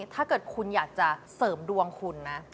ถ้าเกิดคุณอยากจะเสริมดวงคุณนะ